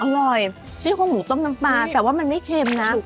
อร่อยซี่โครงหมูต้มน้ำปลาแต่ว่ามันไม่เค็มนะ